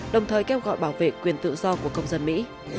đồng thời kêu gọi bảo vệ quyền tự do của công dân mỹ